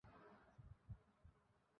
সেটাই আমি বুঝতে পারছি না মামা!